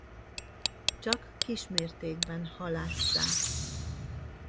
Csak kis mértékben halásszák.